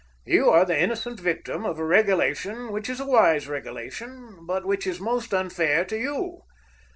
You are the innocent victim of a regulation which is a wise regulation, but which is most unfair to you.